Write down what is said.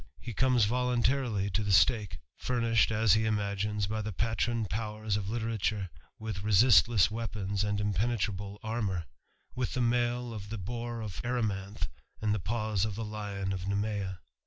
he comes voluntarily to the stake, furnished, as he imagines, by the patron powers of literature, with resistless weapons and impenetrable armour, with the mail of the boar of Erymanth, and the paws of the lion of Nemea.